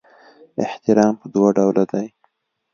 احترام په دوه ډوله دی.